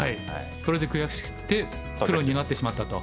それで悔しくてプロになってしまったと。